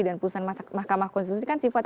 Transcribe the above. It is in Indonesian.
dan putusan mahkamah konstitusi kan sifatnya